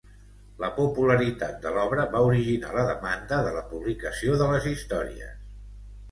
La popularitat de l'obra va originar la demanda de la publicació de les històries.